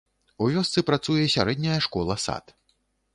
У вёсцы працуе сярэдняя школа-сад.